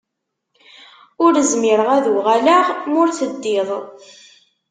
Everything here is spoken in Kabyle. Ur zmireɣ ad uɣaleɣ ma ur teddiḍ.